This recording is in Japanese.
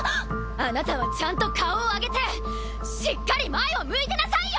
あなたはちゃんと顔を上げてしっかり前を向いてなさいよ！